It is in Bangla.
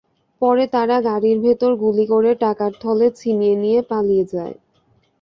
পরে তারা গাড়ির ভেতরে গুলি করে টাকার থলে ছিনিয়ে নিয়ে পালিয়ে যায়।